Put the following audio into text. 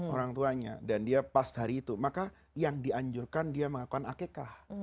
orang tuanya dan dia pas hari itu maka yang dianjurkan dia melakukan akekah